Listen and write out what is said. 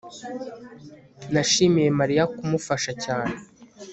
nashimiye mariya kumufasha cyane